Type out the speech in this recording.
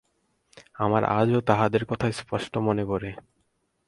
আমার আজও তাহাদের কথা স্পষ্ট মনে পরে।